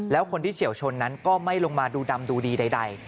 แล้วคนที่เฉียวชนนั้นก็ไม่ลงมาดูดำดูดีใด